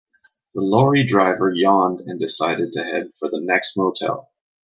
The lorry driver yawned and decided to head for the next motel.